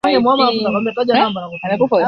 Katika moyo wa nchi Pass ya Kirkstone